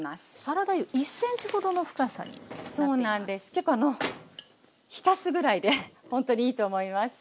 結構浸すぐらいでほんとにいいと思います。